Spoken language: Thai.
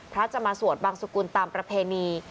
จะมาสวดบังสุกุลตามประเพณี